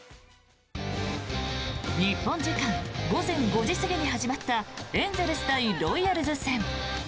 日本時間午前５時過ぎに始まったエンゼルス対ロイヤルズ戦。